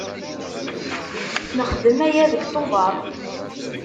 Nexdem aya deg Tubeṛ.